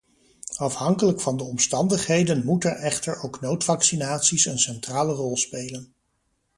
Afhankelijk van de omstandigheden moeten echter ook noodvaccinaties een centrale rol spelen.